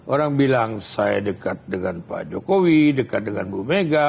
orang bilang saya dekat dengan pak jokowi dekat dengan bu mega